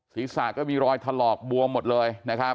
ศีรษะก็มีรอยทหลอกบวงหมดเลย